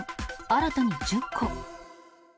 新たに１０個。